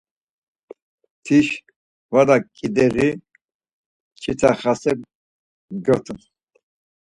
Tiş vala ǩideri mç̌ita xase gyotun.